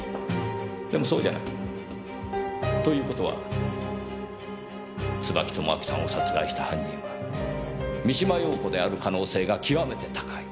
でもそうじゃない。という事は椿友章さんを殺害した犯人は三島陽子である可能性が極めて高い。